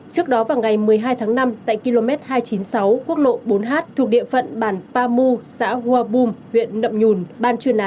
trước đó vào ngày một mươi hai tháng năm tại km hai trăm chín mươi sáu quốc lộ bốn h thuộc địa phận bản pa mu xã hua bum huyện đậm nhùn